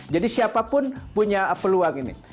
jadi siapapun punya peluang ini